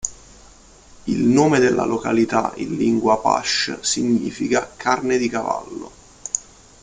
Il nome della località in lingua apache significa "carne di cavallo".